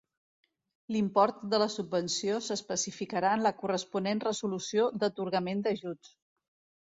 L'import de la subvenció s'especificarà en la corresponent resolució d'atorgament d'ajuts.